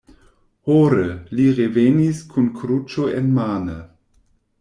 Hore, li revenis kun kruĉo enmane.